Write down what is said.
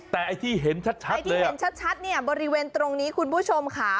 แต่ที่เห็นชัดเนี่ยบริเวณตรงนี้คุณผู้ชมค่ะ